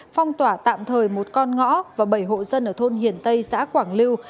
phong tỏa tạm thời một con ngõ và bảy hộ dân ở thôn hiền tây xã quảng lưu